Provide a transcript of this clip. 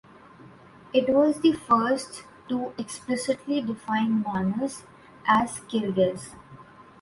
It was the first to explicitly define Manas as Kyrgyz.